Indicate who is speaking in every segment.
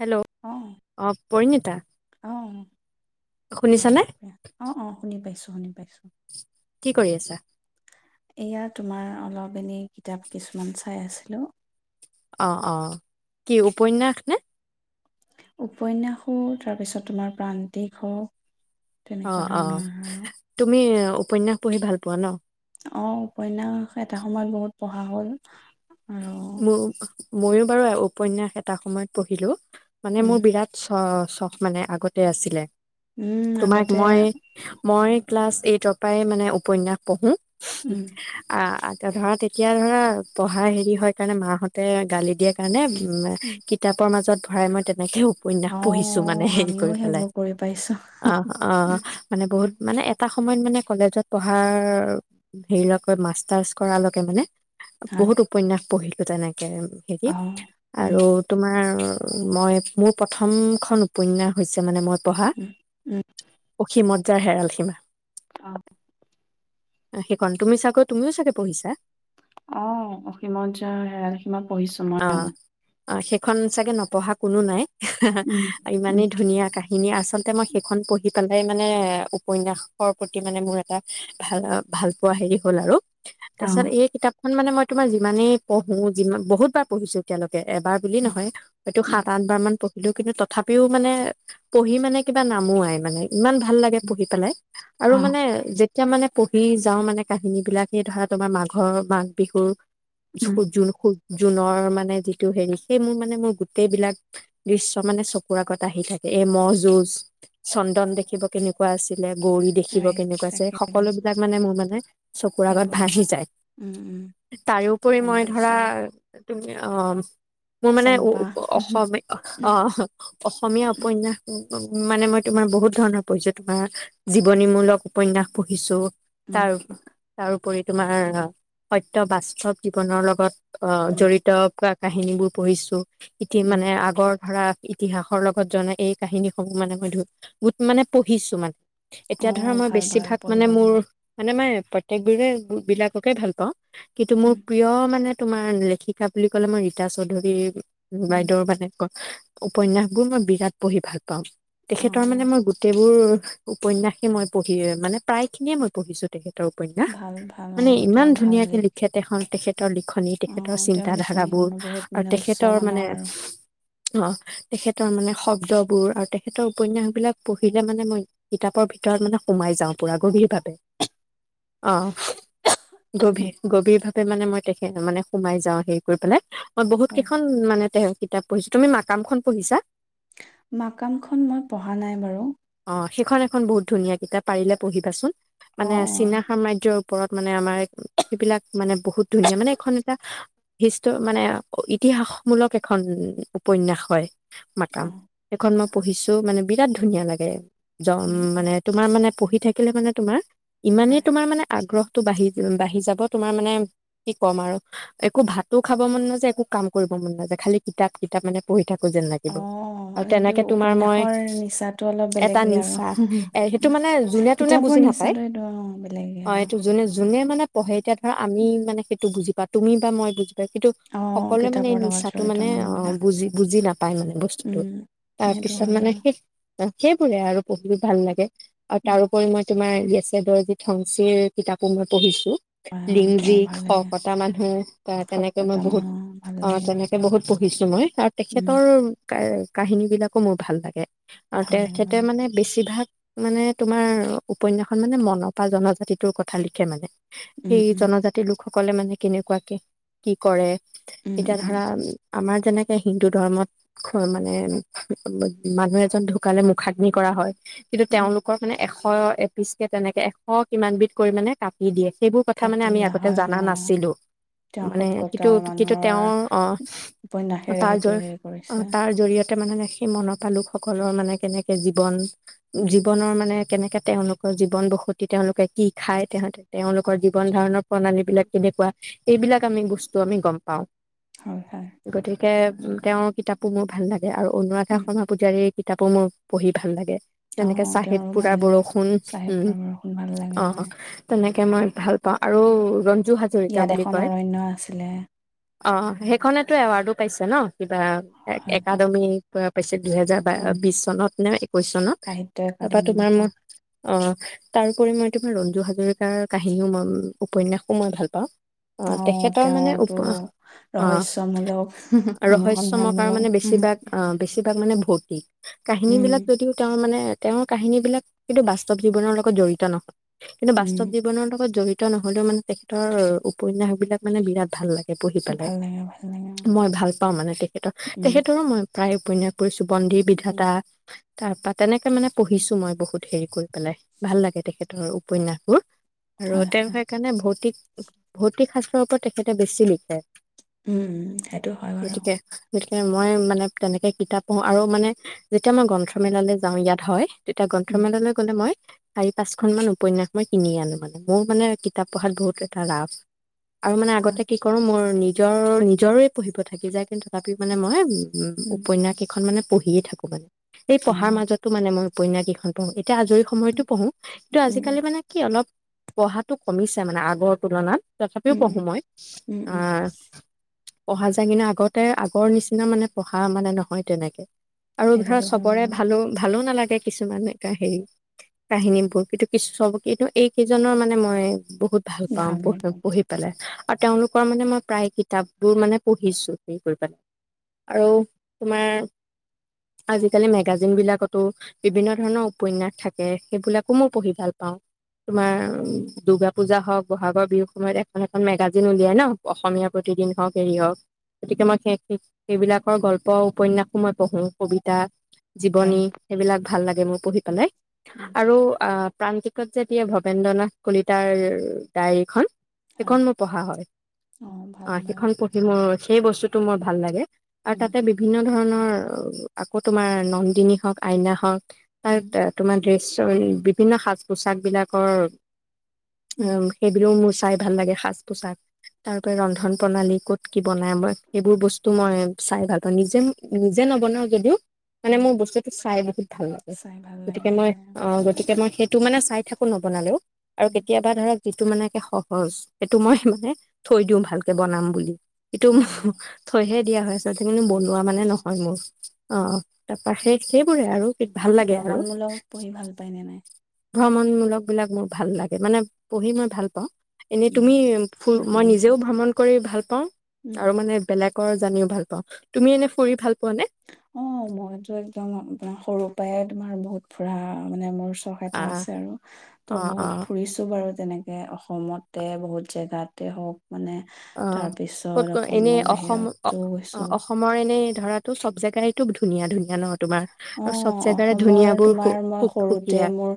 Speaker 1: Hello
Speaker 2: অঁ
Speaker 1: অ', পৰিণিতা।
Speaker 2: অঁ হয় অ', অ', শুনি পাইছোঁ। শুনি পাইছোঁ।
Speaker 1: কি কৰি আছা?
Speaker 2: এয়া তোমাৰ অলপ এনেই কিতাপ কিছুমান চাই আছিলোঁ।
Speaker 1: অ', অ', কি উপন্যাস নে?
Speaker 2: উপন্যাসো তাৰপিছত তোমাৰ প্ৰান্তিক হওঁ।
Speaker 1: অ', অ', তুমি উপন্যাস পঢ়ি ভাল পোৱা ন'?
Speaker 2: অঁ উপন্যাস এটা সময়ত বহুত পঢ়া হ'ল। আৰু
Speaker 1: মোক ময়ো বাৰু উপন্যাস এটা সময়ত পঢ়িলো। মানে
Speaker 2: উম
Speaker 1: মোৰ বিৰাট চ চখ মানে আগতে আছিলে।
Speaker 2: উম
Speaker 1: তোমাক
Speaker 2: আগতে
Speaker 1: মই মই ক্লাছ এইটৰ পৰাই মানে উপন্যাস পঢ়োঁ।
Speaker 2: উম
Speaker 1: অ', আ ধৰা তেতিয়া ধৰা পঢ়া হেৰি হয়। সেইকাৰণে মাহঁতে গালি দিয়াৰ কাৰণে উম, কিতাপৰ মাজত ভৰাই মই তেনেকে উপন্যায়াস
Speaker 2: অঁ
Speaker 1: পঢ়িছো মানে হেৰি
Speaker 2: আমিও
Speaker 1: কৰি পেলাই
Speaker 2: সেইবোৰ কৰি পাইছোঁ
Speaker 1: অহ, অহ,
Speaker 2: উম,
Speaker 1: মানে বহুত মানে এটা সময়ত মানে কলেজত পঢ়াৰ হেৰি ল' মাষ্টাৰ্চ কৰালৈকে মানে
Speaker 2: হয়
Speaker 1: বহুত উপন্যাস পঢ়িলোঁ তেনেকেই। হেৰি
Speaker 2: অঁ উম
Speaker 1: আৰু তোমাৰ মই মোৰ প্ৰথমখন উপন্যাস হৈছে মানে মই পঢ়া
Speaker 2: উম উম
Speaker 1: অসীমত। জাৰ হেৰাল সীমা।
Speaker 2: আহ
Speaker 1: সেইখন তুমি চাগৈ তুমিও চাগে পঢ়িছা।
Speaker 2: অ অসীমত যাৰ হেৰাল সীমা কিমান পঢ়িছো মই অ।
Speaker 1: অ সেইখন চাগে নপঢ়া কোনো নাই।
Speaker 2: উম উম
Speaker 1: ইমানেই ধুনীয়া কাহিনী আচলতে মই সেইখন পঢ়ি। সকালে মানে উপন্যাসৰ প্ৰতি মানে মোৰ এটা ভাল ভাল পোৱা হেৰি হ'ল আৰু তাৰছত এই কিতাপ। মানে মই তোমাৰ যিমানেই পঢ়ো যিমান বহুত বাৰ পঢ়িছোঁ এতিয়ালৈকে। এবাৰ বুলি নহয় হয়টো
Speaker 2: অঁ
Speaker 1: সাত আঠ বাৰ মান। কিন্তু তথাপিও মানে পঢ়ি মানে কিবা নামো আই মানে ইমান ভাল লাগে পঢ়ি পেলাই আৰু
Speaker 2: অ',
Speaker 1: মানে। এতিয়া মানে পঢ়ি যাওঁ মানে কাহিনী বিলাকে ধৰা তোমাৰ মাঘৰ মাঘ বিহুৰ
Speaker 2: উম।
Speaker 1: খু জ খু জুনৰ মানে যিটো হেৰি সেই মোৰ মানে মোৰ গোটেই বিলাক দৃশ্য মানে চকুৰ আগত আহি থাকে এই ম'হ যুজ চন্দন দেখিব কেনেকুৱা আছিলে গৌৰী দেখিব
Speaker 2: হয়,
Speaker 1: কেনেকুৱা আছে
Speaker 2: তাকেতো
Speaker 1: সকলো বিলাক মানে মোৰ মানে চকুৰ আগত
Speaker 2: সেইবোৰ
Speaker 1: ভাহি যায়
Speaker 2: উম, উম,
Speaker 1: তাৰোপৰি
Speaker 2: গম
Speaker 1: মই ধৰা
Speaker 2: পাইছোঁ।
Speaker 1: তুমি অ মোৰ মানে
Speaker 2: চম্পা
Speaker 1: অসম অ অসমীয়া উপন্যাস উ মানে মই তোমাৰ বহুত ধৰণৰ পঢ়িছো তোমাৰ জীৱনীমূলক উপন্যাসো পঢ়িছো।
Speaker 2: উম,
Speaker 1: তাৰোপ তাৰোপৰি তোমাৰ সত্য বাস্তৱ জীৱনৰ লগত অ
Speaker 2: উম,
Speaker 1: জৰি ক কাহিনী বোৰ পঢ়িছো। এতিয়া
Speaker 2: উম,
Speaker 1: মানে আগৰ ধৰা ইতিহাসৰ লগত জনা এই কাহিনীসমূহ মানে মই গোট মানে পঢ়িছো মানে। এতিয়া ধৰা
Speaker 2: অ',
Speaker 1: মই
Speaker 2: ভাল ভাল
Speaker 1: বেছিভাগ মানে
Speaker 2: পঢ়িব
Speaker 1: মোৰ
Speaker 2: লাগে।
Speaker 1: মানে মই প্ৰত্যেক বোৰে বিলাককে ভাল পাওঁ। কিন্তু মোৰ
Speaker 2: উম,
Speaker 1: প্ৰিয় মানে। তোমাৰ লেখি। কা বুলি ক'লে ম‌ই ৰীতা চৌধুৰী
Speaker 2: উম,
Speaker 1: বাইদেউৰ মানে ক উপন্যাসবোৰ মই বিৰাট পঢ়ি ভাল পাওঁ তেখেতৰ মানে
Speaker 2: অ',
Speaker 1: মই গোটেইবোৰ উপন্যাসে মই পঢ়ি মানে প্ৰায় খিনিয়ে মই পঢ়িছোঁ তেখেত তৰ উপন্যাস
Speaker 2: ভাল ভাল
Speaker 1: মানে
Speaker 2: অ',
Speaker 1: ইমান
Speaker 2: তেওঁৰ ভাল
Speaker 1: ধুনীয়াকে
Speaker 2: লিখ
Speaker 1: লিখে তেখন তেখেত তৰ লিখনি তেখেতৰ
Speaker 2: অ',
Speaker 1: চিন্ত
Speaker 2: তেওঁৰ
Speaker 1: ধাৰা বোৰ
Speaker 2: লিখনিসমূহ বহুত
Speaker 1: আৰু
Speaker 2: মানে উচ্চ
Speaker 1: তেখেতৰ মানে।
Speaker 2: মানৰ আৰু
Speaker 1: আহ তেখেতৰ মানে শব্দবোৰ আৰু তেখেতৰ উপন্যাসবিলাক পঢ়িলে মানে মই কিতাপৰ ভিতৰত মানে সোমাই যাওঁ পুৰা গভীৰভাৱে অঁ গভীৰ গভীৰভাৱে মানে মই তেখেত মানে সোমাই যাওঁ সেই কৰি পেলাই মই বহুত
Speaker 2: হয়।
Speaker 1: কেইখন মানে তেওঁ কিতাপ পঢ়িছো তুমি মাকামখন পঢ়িছা
Speaker 2: মাকামখন মই পঢ়া নাই বাৰু
Speaker 1: অঁ সেইখন এখন বহুত ধুনীয়া কিতাপ পাৰিলে পঢ়িবাচোন
Speaker 2: অ',
Speaker 1: মানে চীনা
Speaker 2: অ',
Speaker 1: সাম্ৰাজ্যৰো ওপৰত মানে আমাৰ সেইবিলাক মানে বহুত ধুনীয়া মানে এখন এটা ভষ্ট মানে ইতিহাসমূলক এখন উপন্যাস হয় মাটাম
Speaker 2: অ',
Speaker 1: এখন ম পঢ়িছো মানে বিৰাট ধুনীয়া লাগে ম
Speaker 2: উম, উম,
Speaker 1: মানে তোমাৰ মানে পঢ়ি থাকিলে মানে তোমাৰ ইমানেই
Speaker 2: হয়।
Speaker 1: তোমাৰ মানে আগ্ৰহ টো বাহি বাঢ়ি যাব তোমাৰ মানে কি কম আৰু একো ভাত। তো খাব মন নাযায় একো কাম কৰিব মন নাযায় খালি কিতাপ কিতাপ মানে পঢ়ি থাক। যেন
Speaker 2: অ',
Speaker 1: লাগিব আৰু
Speaker 2: এইটো
Speaker 1: তেনেকে তোমাৰ মই
Speaker 2: উপন্যাসৰ নিচাটো অলপ
Speaker 1: এটা
Speaker 2: বেলেগেই আৰু
Speaker 1: নিচা এ সেইটো মানে যোনে তোনে
Speaker 2: কিতাপৰ
Speaker 1: বুজি নাপায়
Speaker 2: নিচাটো এইটো অ', বেলেগেই
Speaker 1: অ এইটো
Speaker 2: আৰু।
Speaker 1: যোনে যোনে মানে পঢ়ে এতিয়া ধৰা আমি মানে সেইটো বুজি পাত তুমি বা মই বুজ [unintelligible]
Speaker 2: অ',
Speaker 1: সকলোৱে মানে
Speaker 2: কিতাপৰ লগত
Speaker 1: নিচাটো
Speaker 2: জড়িত
Speaker 1: মানে অ
Speaker 2: মানুহবিলাক
Speaker 1: বুজি বুজি নাপায় মানে বস্তুটো
Speaker 2: উম, সেইটো
Speaker 1: তাৰপিছত
Speaker 2: হয়
Speaker 1: মানে
Speaker 2: বাৰু
Speaker 1: সে অ সেইবোৰে আৰু পঢ়িও ভাল লাগে। আৰু
Speaker 2: উম,
Speaker 1: তাৰোপৰি মই তোমাৰ ইয়েছে ডৰজিত সংসিৰ কিতাপো মই পঢ়িছো।
Speaker 2: হয় অ', তেওঁৰ
Speaker 1: লিংজিক
Speaker 2: ভাল লাগে
Speaker 1: শকতা মানুহ বা তেনেক টো মই
Speaker 2: সফলতা
Speaker 1: বহুত
Speaker 2: মানুহৰ ভাল
Speaker 1: অ
Speaker 2: লাগে আৰু
Speaker 1: তেনেকে বহুত পঢ়িছো মই আৰু
Speaker 2: উম,
Speaker 1: তেখেতৰ কাৰ কাহিনী বিলাকো মোৰ ভাল লাগে। আৰু
Speaker 2: ভাল লাগে ভাল
Speaker 1: তেখেতে
Speaker 2: লাগে
Speaker 1: মানে বেছিভাগ মানে তোমাৰ উপন্যাসখন মানে মনৰ পৰা জনজাতিটোৰ কথা লিখে মানে।
Speaker 2: উম,
Speaker 1: এই
Speaker 2: উম,
Speaker 1: জনজাতিৰ লোক লোক সকলে মানে কেনেকোৱা কে কি কৰে?
Speaker 2: উম,
Speaker 1: এতিয়া
Speaker 2: উম,
Speaker 1: ধৰা আমাৰ যেনেকে হিন্দু ধৰ্মত মানে মানুহ এজন ঢুকালে মুখাগ্নি কৰা হয়। কিন্তু
Speaker 2: উম,
Speaker 1: তেওঁলোকৰ মানে এখন এশ এপিচ কে তেনেকে এশ কিমানবিধ কৰি মানে কাটি দিয়ে। সেইবোৰ কথা মানে
Speaker 2: কাটি
Speaker 1: আমি
Speaker 2: দিয়া
Speaker 1: আগতে
Speaker 2: হয়
Speaker 1: জানা
Speaker 2: অ',
Speaker 1: নাছিলোঁ।
Speaker 2: তেওঁ
Speaker 1: মানে
Speaker 2: শকতা
Speaker 1: কিন্তু কিন্তু
Speaker 2: মানুহৰ
Speaker 1: তেওঁৰ অহ,
Speaker 2: উপন্যাসেৰে
Speaker 1: তাৰ তাৰ
Speaker 2: সেইটো হেৰি কৰিছে
Speaker 1: জৰিয়তে জৰিয়তে মানে সেই মনৰ পৰা লোকসকলৰ মানে কেনেকে জীৱন
Speaker 2: উম,
Speaker 1: জীৱনৰ মানে কেনেকে তেওঁলোকৰ জীৱন বসতি তেওঁলোকে কি খায় তেহ তেওঁলোকৰ জীৱন ধাৰণৰ প্ৰণালী বিলাক কেনেকুৱা? এইবিলাক আমি বস্তু আমি গম পাওঁ।
Speaker 2: হয়, হয়
Speaker 1: গতিকে তেওঁৰ কিতাপো মোৰ ভাল লাগ আৰু অনুৰাধা
Speaker 2: উম,
Speaker 1: শৰ্মা পূজাৰীৰ কিতাপো মোৰ পঢ়ি ভাল লাগে। যেনেকে
Speaker 2: অ',
Speaker 1: চাহেদ
Speaker 2: তেওঁৰো
Speaker 1: পুৰা
Speaker 2: ভাল লাগে
Speaker 1: বৰষুণ
Speaker 2: চাহেব
Speaker 1: উম,
Speaker 2: পৰামৰ্শন ভাল লাগে
Speaker 1: অ',
Speaker 2: হয়
Speaker 1: তেনেক তাকে মই ভাল পাওঁ আৰু ৰন্ জু হাজৰিকা
Speaker 2: ইয়াত
Speaker 1: বুলি
Speaker 2: এখন
Speaker 1: কয়
Speaker 2: অৰণ্য আছিলে।
Speaker 1: অ', সেইখনেতো এৱাৰ্ডো পাইছে ন'। কিবা
Speaker 2: হয়, হয়
Speaker 1: একাডেমি পিছে দুহেজাৰ
Speaker 2: উম,
Speaker 1: বিশ চনত নে একৈশ চনত
Speaker 2: সাহিত্য
Speaker 1: তাৰপা
Speaker 2: একাডেমি
Speaker 1: তোমাৰ ম
Speaker 2: বঁটা
Speaker 1: অ', তাৰোপৰি মই তোমাৰ ৰঞ্জু হাজৰিকাৰ কাহিনী উপন্যাসো মই ভাল পাওঁ। অ', তেখেতৰ মানে অহ,
Speaker 2: ৰহস্যমূলক
Speaker 1: ৰহস্যম কাৰ
Speaker 2: অনুসন্ধানমূলক
Speaker 1: মানে
Speaker 2: উম,
Speaker 1: বেছিভাগ অহ, বেছিভাগ মানে ভূত ঠিক কাহিনী
Speaker 2: উম,
Speaker 1: বিলাক যদিও তেওঁ মানে তেওঁৰ কাহিনীবিলাক কিন্তু বাস্তৱ জীৱনৰ লগত জড়িত নহয়। কিন্তু
Speaker 2: উম,
Speaker 1: বাস্তৱ জীৱনৰ লগত জড়িত নহ'লেও মানে তেখেতৰ উপন্যাসবিলাক মানে বিৰাট ভাল লাগে। পঢ়ি পেলাই,
Speaker 2: ভাল লাগে, ভাল লাগে অ',
Speaker 1: মই ভাল পাওঁ মানে তেখেতৰ
Speaker 2: উম।
Speaker 1: তেখেতৰো মই তায় উপন্যাস কৰিছো বন্দী
Speaker 2: উম।
Speaker 1: বিধাতা তাৰ পৰা তেনেকে মানে পঢ়িছো মই বহুত হেৰি কৰি পেলাই ভাল লাগে তেখেতৰ উপন্যাসবোৰ। আৰু
Speaker 2: হয়,
Speaker 1: তেওঁল
Speaker 2: হয়,
Speaker 1: সেইকাৰণে ভৌতিক অ'। ভৌতিক শাস্ত্ৰৰ ওপৰত তেখেতে বেছি লিখে।
Speaker 2: উম, সেইটো হয় বাৰু।
Speaker 1: গতিকে গতিকে মই মানে তেনেকে কিতাপ পঢ়ো আৰু মানে যেতিয়া মই গ্ৰন্থমেলালৈ যাওঁ ইয়াত হয় তেতিয়া
Speaker 2: উম,
Speaker 1: গ্ৰন্থমেলালৈ গ'লে মই চাৰি
Speaker 2: উম,
Speaker 1: পাঁচখন মান উপন্যাস মই কিনি আনো মানে মোৰ মানে কিতাপ পঢ়াত বহুত এটা ৰাভ আৰু মানে আগতে
Speaker 2: হয়,
Speaker 1: কি কৰো মোৰ নিজ নিজৰ, নিজৰে পঢ়িব থাকি যায় কিন্তু তথাপি মানে
Speaker 2: উম,
Speaker 1: মই উম, উপন্যাস কেইখন মানে পঢ়িয়ে থাকো মানে। সেই পঢ়াৰ
Speaker 2: অ'।
Speaker 1: মাজতো মানে মই উপন্যাস কেইখন [unintelligible] এতিয়া আজৰি সময়তো
Speaker 2: উম।
Speaker 1: পঢ়ো কিন্তু
Speaker 2: উম, উম,
Speaker 1: আজিকালি মানে কি অলপ পঢ়াটো কমিছে মানে আগৰ তুলনাত তথাপিও পঢ়ো
Speaker 2: উম,
Speaker 1: মই,
Speaker 2: উম,
Speaker 1: আ
Speaker 2: উম,
Speaker 1: পঢ়া যায়, কিনে আগতে, আগৰ নিচিনা মানে পঢ়া মানে নহয়, তেনেকে। আৰু ধৰা
Speaker 2: সেইটোতো হয়
Speaker 1: চবৰে
Speaker 2: বাৰু
Speaker 1: ভালো, ভালো নালাগ কিছুমান এ, হেৰি কাহিনীবোৰ কিন্তু কিচু চব কিন্তু এইকেইজনৰ মানে মই বহুত ভাল পাওঁ পঢ় [unintelligible] তেওঁলোকৰ মানে মই প্ৰায় কিতাপবোৰ মানে পঢ়িছোঁ হেৰি কৰি পেলাই আৰু তোমাৰ আজিকালি মেগাজিনবিলাকতো বিভিন্ন ধৰণৰ উপন্যাস থাকে, সেইবিলাকো মই পঢ়ি ভাল পাওঁ তোমাৰ দুৰ্গা পূজা হওঁক, বহাগৰ বিহু সময়ত এখন, এখন মেগাজিন উলিয়াই ন, অসমীয়াৰ প্ৰতিদিন হওঁক হেৰি হওঁক গতিকে সেই সেইবিলাকৰ গল্প, উপন্যাসো মই পঢ়োঁ কবিতা জীৱনী
Speaker 2: আৰু।
Speaker 1: সেইবিলাক ভাল লাগে মোৰ পঢ়ি
Speaker 2: উম,
Speaker 1: পেলাই
Speaker 2: উম।
Speaker 1: আৰু প্ৰান্তিকত যে দিয়ে ভবেন্দ্ৰ নাথ কলিতাৰ ডায়েৰীখনন
Speaker 2: হয়,
Speaker 1: সেইখন মোৰ পঢ়া হয়
Speaker 2: ভাল,
Speaker 1: অ
Speaker 2: ভাল,
Speaker 1: সেইখন পঢ়ি মোৰ সেই বস্তুতটো মোৰ ভাল লাগে আৰু
Speaker 2: উম,
Speaker 1: তাতে বিভিন্ন ধৰণৰ আকৌ তোমাৰ নন্দিনী হওক আইনা হওক
Speaker 2: উম,
Speaker 1: আত তোমাৰ ৰে বিভিন্ন সাজ পোছাকবিলাকৰ উ
Speaker 2: উম,
Speaker 1: সেইবিলোও মুচ ভাল লাগে সাজ পোছাক তাৰপ ৰন্ধন প্ৰণালী ক'ত কি বনায় মই সেইবোৰ বস্তু মই চাই ভাল পাওঁ নিজে নিজে নবনাওঁ যদিও মানে
Speaker 2: উম।
Speaker 1: মোৰ বস্তুটো চাই বহুত ভাল লাগে
Speaker 2: চাই ভাল লাগে
Speaker 1: গতিকে মই
Speaker 2: হয়,
Speaker 1: অ
Speaker 2: উম,
Speaker 1: গতিকে মই সেই তো মানে চাই থাকো নবনালেও আৰু
Speaker 2: উম,
Speaker 1: কেতিয়াবা ধৰক যিটো মানে এশ সচ এইটো মই
Speaker 2: উম,
Speaker 1: মানে থৈ দিওঁ ভালকে বনাম বুলি সটোক
Speaker 2: অ',
Speaker 1: থৈহে দিয়া হৈ াতে কিনু
Speaker 2: থৈ দিয়া
Speaker 1: বনোৱা মানে
Speaker 2: হয়, অ',
Speaker 1: নহয় মোৰ অ তাৰপা সেষ
Speaker 2: তাকে।
Speaker 1: সেইবোৰে আৰু কি ভাল লাগে আৰু
Speaker 2: ভ্ৰমণমূলক পঢ়ি ভাল পায় নে নাই?
Speaker 1: ভ্ৰমণমূলক বিলাক মোৰ ভাল লাগে মানে পঢ়ি মই ভাল পাওঁ এনেই
Speaker 2: উম,
Speaker 1: তুমি ফ মই
Speaker 2: ভ্ৰমণ
Speaker 1: নিজেও
Speaker 2: কৰে।
Speaker 1: ভ্ৰমণ কৰি ভাল পাওঁ
Speaker 2: উম,
Speaker 1: আৰু মানে বেলেগ জানিও ভাল পাওঁ তুমি এনে ফুৰি ভাল পোৱা নে
Speaker 2: অ মইতো একদম আপোনাৰ সৰু পৰাই তোমাৰ বহুত ফুৰা মানে মোৰ চখ এটা
Speaker 1: আহ
Speaker 2: আছে আৰু ত'
Speaker 1: অ অ
Speaker 2: বহুত ফুৰিছো বাৰু তেনেকৈ অসমতে বহুত জেগাতে হওক মানে
Speaker 1: অ ক'ত
Speaker 2: তাৰপিছত
Speaker 1: ক এনে
Speaker 2: অসমৰ বাহিৰতো গৈছো
Speaker 1: ধৰাতটো চব জেগাই এইটো ধুনীয়া ধুনীয়া নহ
Speaker 2: অ অসমৰ
Speaker 1: সু
Speaker 2: তোমাৰ মই
Speaker 1: সুক
Speaker 2: সৰুতে
Speaker 1: সুকীয়া
Speaker 2: মোৰ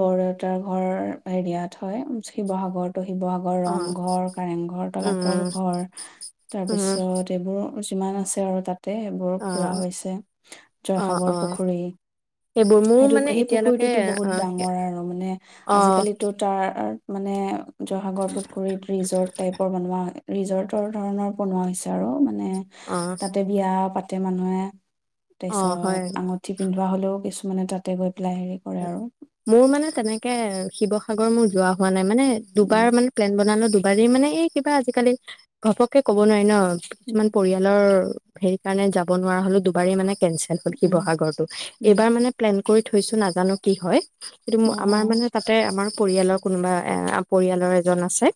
Speaker 2: বৰ দেউতাৰ ঘৰ হৰিয়াত হয় শিৱসাগৰ শিৱসাগৰ
Speaker 1: অ
Speaker 2: ৰংঘৰ কাৰেংঘৰ তলাতল
Speaker 1: উম
Speaker 2: ঘৰ
Speaker 1: উম
Speaker 2: তাৰপিছত এইবোৰ যিমান আছে আৰু তাত সেইবোৰ
Speaker 1: অ
Speaker 2: ফুৰা হৈছে জ
Speaker 1: অ অ
Speaker 2: পুখুৰী
Speaker 1: সেইবোৰ মোৰ
Speaker 2: সেইটো
Speaker 1: মানে
Speaker 2: সেই
Speaker 1: এতিয়ালৈকে
Speaker 2: পুখুৰীটোতো বহুত
Speaker 1: অ
Speaker 2: ডাঙৰ আৰু মানে
Speaker 1: অ
Speaker 2: আজিকালি তাৰ মানে জহাগৰ পুখুৰীত ৰিজৰ্ট টাইপৰ বনোৱা হয় ৰিজৰ্টৰ ধৰণৰ বনোৱা হৈছে আৰু মান মান
Speaker 1: অ
Speaker 2: তাতে বিয়া পাতি তাতে মানুহে তাৰ
Speaker 1: অ
Speaker 2: পিছত
Speaker 1: হয়
Speaker 2: আঙুঠি পিন্ধোৱা হলেও কিছু মানে তাতে গৈ
Speaker 1: মোৰ মানে তেনেকে শিৱ শিৱসাগৰ মোৰ যোৱা হোৱা নাই মানে
Speaker 2: উম
Speaker 1: দুবাৰ মানে প্লেন বনালো দুবাৰি মানে এই কিবা আজিকালি ঘপককে ক'ব নোৱাৰি ন
Speaker 2: উম
Speaker 1: কিছুমান পৰিয়ালৰ সেইকাৰণে যাব নোৱাৰা হলো দুবাৰি মানে কেনচেল হল
Speaker 2: উম
Speaker 1: শিৱসাগটো
Speaker 2: উম
Speaker 1: এইবাৰ মে্লে কৰি থৈছো নান জানো কি হয় কিটো
Speaker 2: অ অ
Speaker 1: আমাৰ মানে তাতে আমাৰ পৰিয়ালৰ কোনোবা পৰিয়ালৰ এজন আছে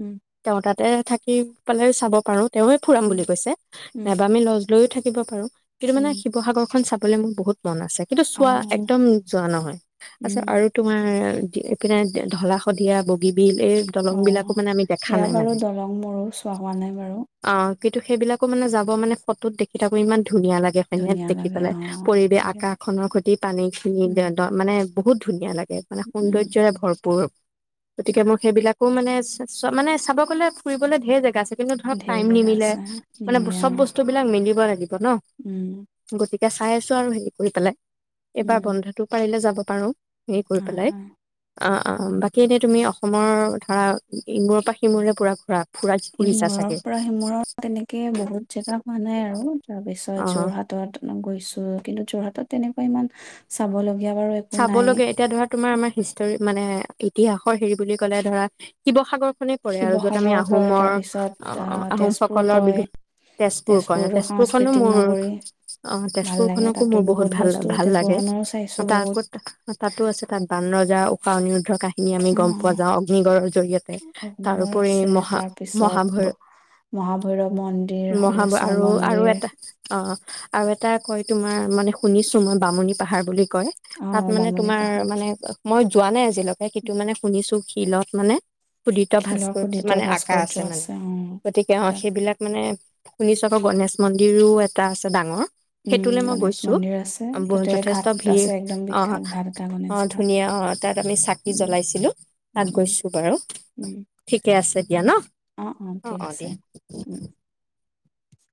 Speaker 2: উম
Speaker 1: তেওঁ তাতে থাকি পেলাই চাব পাৰো তেওঁৱে ফুৰাম
Speaker 2: উম
Speaker 1: বুলি কৈছে
Speaker 2: উম
Speaker 1: নবামি লজ লৈয়ও থাকিব পাৰো কিন্তু মানে
Speaker 2: উম
Speaker 1: শিৱসাগৰ খন চাব বোলে মোৰ বহুত মন আছে কিন্তু
Speaker 2: অ
Speaker 1: চোৱা একদম যোৱা নহয় আচছাত
Speaker 2: উম
Speaker 1: আৰু তোমাৰ এইপিনে ঢলা শদিয়া বগীবিল এই দলং বিলাকো
Speaker 2: অ',
Speaker 1: মানে আমি দেখা
Speaker 2: সেয়া
Speaker 1: নাই
Speaker 2: বাৰু
Speaker 1: মানে
Speaker 2: দলং মোৰো চোৱা হোৱা নাই বাৰু
Speaker 1: অ কিন্তু সেইবিলাকো মানে যাব মানে ফটোত দেখি থাকো ইমান ধুনীয়া লাগে হয়নে
Speaker 2: ধুনীয়া
Speaker 1: দেখি
Speaker 2: লাগে
Speaker 1: পেলাই
Speaker 2: অ',
Speaker 1: পৰিৱেশ
Speaker 2: তাকে
Speaker 1: আকাশখনৰ সতি পানী
Speaker 2: উম,
Speaker 1: [unintelligible] বহুত ধুনীয়া লাগ মানে
Speaker 2: উম,
Speaker 1: সৌন্দৰ্যৰে ভৰপূৰ। গতিকে মোৰ সেইবিলাকো মানে, মানে চাব গ'লে ফুৰিবলে ধেই জেগা আছে কিনো ধৰক
Speaker 2: ঢেৰ
Speaker 1: টাইম
Speaker 2: জেগা
Speaker 1: নিমিলে
Speaker 2: আছে
Speaker 1: মানে
Speaker 2: নিমিলে
Speaker 1: চব
Speaker 2: অ',
Speaker 1: বস্তু বিলাক মিলি [unintelligible] ন,
Speaker 2: উম,
Speaker 1: গতিক এতিয়া চাই আছো আৰু হেৰি কৰি পেলাই। এবা
Speaker 2: উম,
Speaker 1: বন্ধটো পাৰিলে যাব [unintelligible] সেই কৰি
Speaker 2: হয়,
Speaker 1: পেলাই
Speaker 2: হয়,
Speaker 1: অ', অ', বাকী এনে তুমি অসমৰ ধৰা ইমূৰৰ পৰা সিমূৰলৈ পুৰা ঘুৰা ফুৰা ফুৰিছা
Speaker 2: ইমূৰৰ
Speaker 1: চাগে
Speaker 2: পৰা সিমূৰৰ তেনেকে বহুত জেগা মানে আৰু তাৰপিছত
Speaker 1: অ
Speaker 2: যোৰহাটত গৈছোঁ কিন্তু যোৰহাটত তেনেকুৱা ইমান চাব ল
Speaker 1: চাব লগে এতিয়া ধৰা তোমাৰ আমাৰ হিষ্টৰী মানে ইতিহাসৰ হেৰি বুলি ক'লে ধৰা শিৱ শিসাগৰখনে পৰে আৰু য'ত আমি
Speaker 2: শিৱসাগৰ কয়
Speaker 1: আহোমৰ
Speaker 2: তাৰপিছত আহ তেজপুৰ
Speaker 1: আহোমসকলৰ
Speaker 2: কয়
Speaker 1: বিভিন্ন তেজপুৰ পৰে
Speaker 2: তেজপুৰতো
Speaker 1: তেজপুৰখনো
Speaker 2: সাংস্কৃতিক
Speaker 1: মোৰ
Speaker 2: নগৰী
Speaker 1: অ',
Speaker 2: ভাল লাগে
Speaker 1: তেজপুৰখনকো
Speaker 2: তাতো
Speaker 1: মোৰ বহুত ভাল
Speaker 2: বস্তু
Speaker 1: ভাল লাগে,
Speaker 2: তেজপুৰখনৰো চাইছো বহুত
Speaker 1: তাত তাতে আছে তাত বান ৰজা উশা অনিৰুদ্ধৰ কাহ খিনি আমি গম পোৱা
Speaker 2: অ',
Speaker 1: যাওঁ অগ্নিগড়ৰ জৰিয়তে
Speaker 2: অগ্নিগড়
Speaker 1: তাৰওপৰি
Speaker 2: আছে
Speaker 1: মহা
Speaker 2: তাৰপিছত
Speaker 1: মহাভৈ
Speaker 2: ব- মহাভৈৰৱ মন্দিৰ
Speaker 1: মহাভয়
Speaker 2: হলেশ্বৰ
Speaker 1: আৰু আৰু
Speaker 2: মন্দিৰ
Speaker 1: এটা অ' আৰু এটা কয় তোমাৰ মানে শুনিছো মই বামুণী পাহাৰ বুলি কয়। তাত
Speaker 2: আহ
Speaker 1: মানে
Speaker 2: বামুণী
Speaker 1: তোমাৰ
Speaker 2: পাহাৰ
Speaker 1: মানে মই যোৱা নাই আ আজিলৈকে সেইটো মানে শুনিছো শিলত মানে পুদিত
Speaker 2: শিলৰ
Speaker 1: ভাস্কৰ
Speaker 2: ক্ষুদিত
Speaker 1: মানে আকা
Speaker 2: ভাস্কৰ্য
Speaker 1: আছে মানে
Speaker 2: অ
Speaker 1: গতিকে অ',
Speaker 2: তাত
Speaker 1: সেইবিলাক মানে শুনিছ তাতে গণেশ মন্দিৰো এটা আছে ডাঙৰ।
Speaker 2: উম,
Speaker 1: সেইটোলে মই
Speaker 2: গনেশ
Speaker 1: গৈছো।
Speaker 2: মন্দিৰো আছে
Speaker 1: ব-
Speaker 2: তাতে
Speaker 1: যথেষ্ট
Speaker 2: ঘাট আছে
Speaker 1: ভিৰ
Speaker 2: একদম
Speaker 1: অ',
Speaker 2: বিখ্যাত ঘাট এটা গণেশ
Speaker 1: অ',
Speaker 2: ঘাট
Speaker 1: ধুনীয়া অ', তাত আমি চাকি
Speaker 2: উম
Speaker 1: জ্বলাইছিলোঁ
Speaker 2: উম
Speaker 1: তাত
Speaker 2: উম
Speaker 1: গৈছো বাৰু
Speaker 2: উম
Speaker 1: ঠিকে আছে দিয়া ন' অ', অ', দিয়া।
Speaker 2: উম